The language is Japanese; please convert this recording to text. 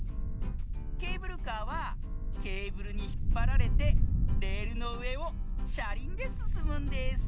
ケーブルカーはケーブルにひっぱられてレールのうえをしゃりんですすむんです。